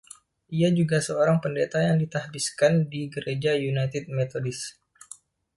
Ia juga seorang pendeta yang ditahbiskan di Gereja United Methodist.